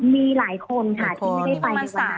มีหลายคนค่ะที่ไม่ได้ไปเดี๋ยววันนั้น